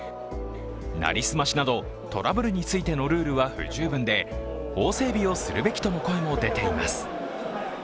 成り済ましなどトラブルについてのルールは不十分で法整備をするべきとの声も出ています。